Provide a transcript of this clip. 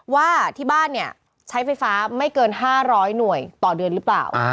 ว่าที่บ้านเนี่ยใช้ไฟฟ้าไม่เกิน๕๐๐หน่วยต่อเดือนหรือเปล่า